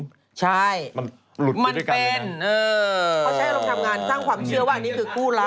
เขาใช้ลงทำงานสร้างความเชื่อว่าอันนี้คือกู้ลักษณ์